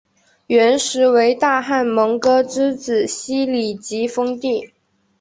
元时为大汗蒙哥之子昔里吉封地。